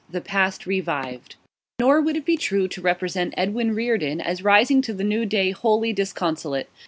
THE PAST REVIVED Nor would it be true to represent Edwin Reardon as rising to the new day wholly disconsolate.